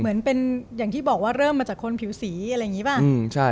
เหมือนเป็นอย่างที่บอกว่าเริ่มมาจากคนผิวสีอะไรอย่างนี้ป่ะ